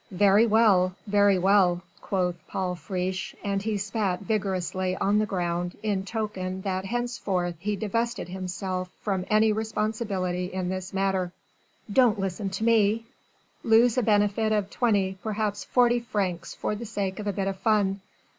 "Very well! Very well!" quoth Paul Friche, and he spat vigorously on the ground in token that henceforth he divested himself from any responsibility in this matter, "don't listen to me. Lose a benefit of twenty, perhaps forty francs for the sake of a bit of fun.